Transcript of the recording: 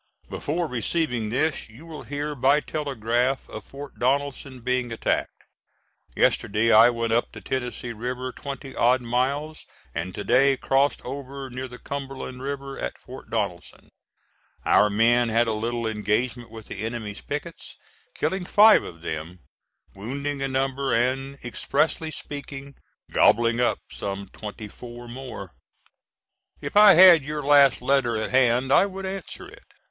Before receiving this you will hear by telegraph of Fort Donelson being attacked. Yesterday I went up the Tennessee River twenty odd miles, and to day crossed over near the Cumberland River at Fort Donelson. Our men had a little engagement with the enemy's pickets, killing five of them, wounding a number, and, expressively speaking, "gobbling up" some twenty four more. If I had your last letter at hand I would answer it.